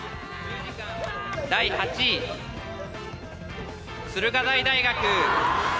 第８位、駿河台大学。